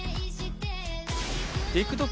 ＴｉｋＴｏｋ